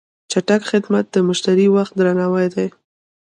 چټک خدمت د مشتری وخت درناوی دی.